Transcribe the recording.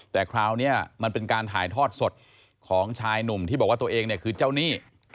แต่คราวนี้มันเป็นการถ่ายทอดสดของชายหนุ่มที่บอกว่าตัวเองเนี่ยคือเจ้าหนี้